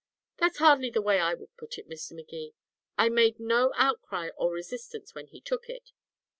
"That's hardly the way I would put it, Mr. Magee. I made no outcry or resistance when he took it.